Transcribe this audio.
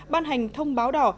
ban hành thông báo đỏ